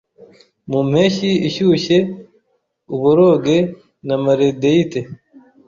Mu mpeshyi ishyushye uboroge na maledeite